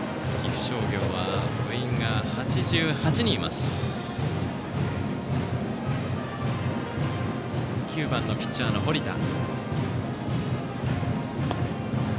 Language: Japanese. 打席には９番のピッチャーの堀田。